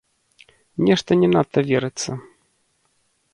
Нешта не надта верыцца.